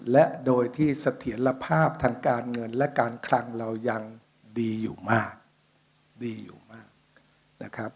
และโดยที่เสถียรภาพทางการเงินและการคลังเรายังดีอยู่มาก